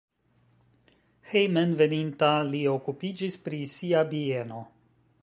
Hejmenveninta li okupiĝis pri sia bieno.